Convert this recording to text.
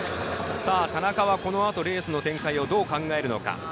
田中は、このあとレース展開どう考えるのか。